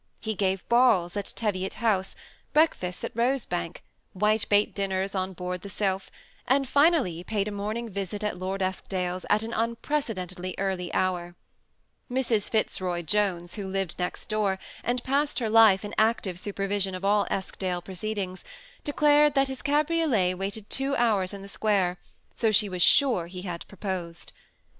14 THE SEMI ATTACHED COUPLE. He gave balls at Teviot House, breakfasts at Rose Bank, white bait dinners on board The Svlph, and finally paid a morning visit at Lord Eskdale's at an unprecedentedlj early hour. Mrs. Fitzroy Jones, who lived next door, and passed her life in an active super vision of all Eskdale proceedings, declared that his cabriolet waited two hours in the square ; so she was sure he had proposed.